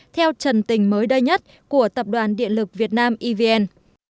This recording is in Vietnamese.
theo trần tình mới đây nhất của tập đoàn điện lực việt nam evn